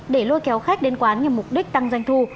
để lôi kéo khách đến quán nhằm mục đích tăng doanh thu